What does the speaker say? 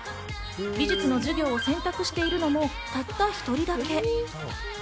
美術の授業を選択してるのもたった１人だけ。